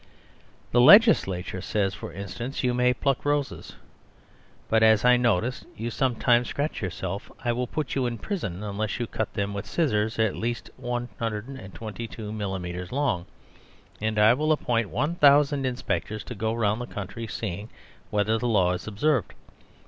The legislator says, for instance, " You may pluck roses ; but as I notice that you sometimes scratch yourself, I will put you in prison unless you cut them with scissors at least 122 millimetres long, and I will appoint one thousand inspectors to go round the country seeing whether the law is observed.